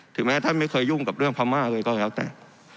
แม้ท่านไม่เคยยุ่งกับเรื่องพม่าเลยก็แล้วแต่